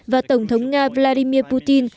và tổng thống nga vladimir putin